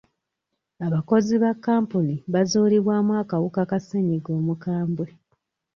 Abakozi ba kampuni bazuulibwamu akawuka ka ssenyiga omukambwe.